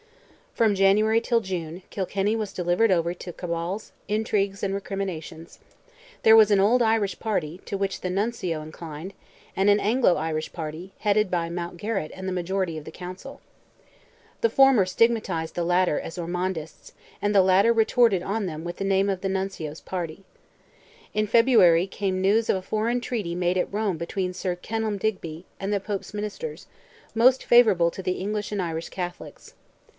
From January till June, Kilkenny was delivered over to cabals, intrigues, and recriminations. There was an "old Irish party," to which the Nuncio inclined, and an "Anglo Irish party," headed by Mountgarrett and the majority of the Council. The former stigmatized the latter as Ormondists, and the latter retorted on them with the name of the Nuncio's party. In February came news of a foreign treaty made at Rome between Sir Kenelm Digby and the Pope's Ministers, most favourable to the English and Irish Catholics.